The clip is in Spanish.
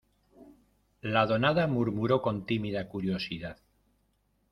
la donada murmuró con tímida curiosidad: